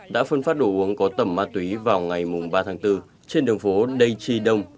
đã phân phát đồ uống có tầm ma túy vào ngày ba tháng bốn trên đường phố đầy tri đông